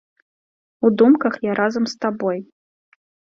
У думках я разам з табой.